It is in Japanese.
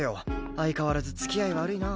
相変わらず付き合い悪いな。